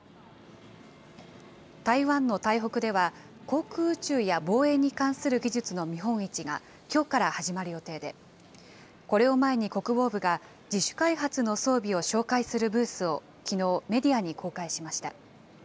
台湾の台北では航空宇宙や防衛に関する技術の見本市がきょうから始まる予定で、これを前に国防部が、自主開発の装備を紹介するブースをきのう、メディアに公開しました。